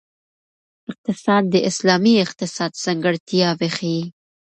اقتصاد د اسلامي اقتصاد ځانګړتیاوې ښيي.